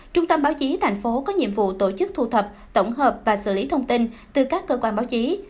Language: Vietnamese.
trung tâm báo chí thành phố có nhiệm vụ tổ chức thu thập tổng hợp và xử lý thông tin từ các cơ quan báo chí